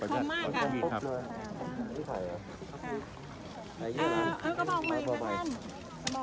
แล้วก็พาไปบอกใหม่ล่ะ่ะนี่มันอะไรน่ะนี่เป็นน้ำน้ำเลย